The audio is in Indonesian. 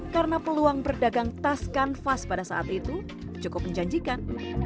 karena peluang berdagang tas canvas pada saat itu cukup menjanjikan